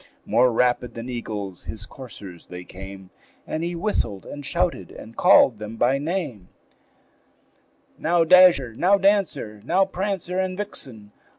More rapid than eagles his coursers they came, And he whistled and shouted, and called them by name; "Now, Dasher! now, Dancer! now, Prancer and Vixen!